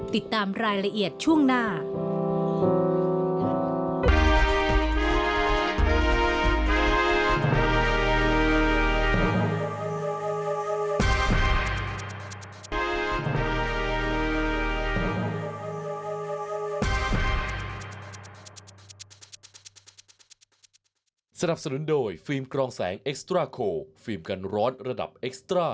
ติดตามรายละเอียดช่วงหน้า